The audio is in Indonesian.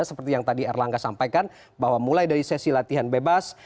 seperti yang tadi erlangga sampaikan bahwa mulai dari sesi latihan bebas